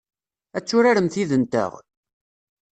Ad turaremt yid-nteɣ?